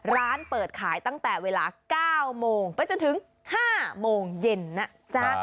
ร้านเปิดขายตั้งแต่เวลา๙โมงไปจนถึง๕โมงเย็นนะจ๊ะ